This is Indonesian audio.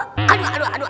aduh aduh aduh aduh